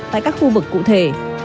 tại các khu vực cụ thể